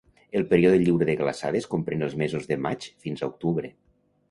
El període lliure de glaçades comprèn els mesos de maig fins a octubre.